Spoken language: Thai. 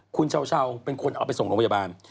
คุณเช้าเป็นคนเอาไปส่งโรงพยาบาล